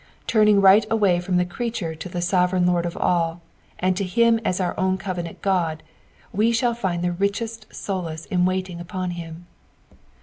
Turning rignt away from the creatuie tn the sovereign Lord of all, and to him is our own covenant Ood, we shall find the richest solace in waiting upon him.